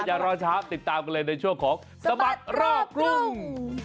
อย่ารอช้าติดตามกันเลยในช่วงของสมัครรอบกรุง